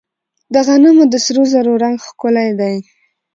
د غنمو د سرو زرو رنګ ښکلی دی.